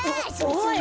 おい！